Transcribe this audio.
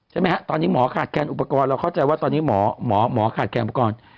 ใช่ไหมฮะตอนนี้หมอขาดแคนอุปกรณ์เราเข้าใจว่าตอนนี้หมอหมอขาดแนนอุปกรณ์